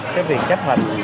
cái việc chấp hành